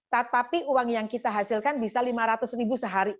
tetapi uang yang kita hasilkan bisa lima ratus ribu sehari